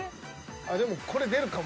でもこれ出るかも。